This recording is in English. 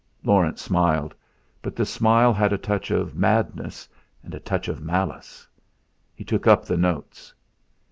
Laurence smiled; but the smile had a touch of madness and a touch of malice. He took up the notes.